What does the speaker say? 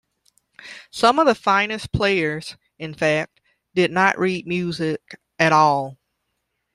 Some of the finest players, in fact, did not read music at all.